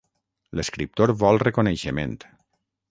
L'escriptor vol reconeixement.